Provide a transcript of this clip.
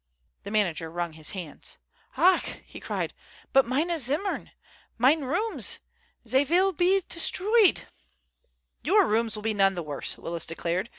The manager wrung his hands. "Ach!" he cried. "But meine Zimmern! Mine rooms, zey veel pe deestroyed!" "Your rooms will be none the worse," Willis declared.